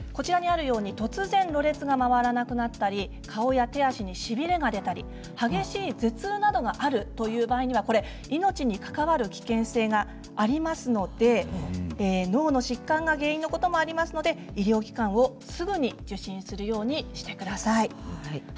突然ろれつが回らなくなったり顔や手足にしびれが出たり激しい頭痛などがあるという場合には命に関わる危険性がありますので脳の疾患が原因のこともありますので医療機関をすぐに受診するようにしてください。